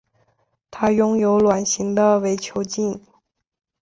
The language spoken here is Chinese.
它拥有卵形的伪球茎。